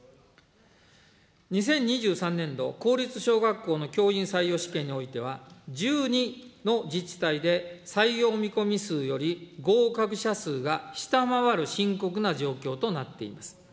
２０２３年度、公立小学校の教員採用試験においては、１２の自治体で採用見込み数より合格者数が下回る深刻な状況となっています。